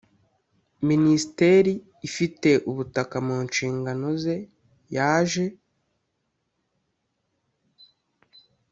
minisiteri ifite ubutaka mu nshingano ze yaje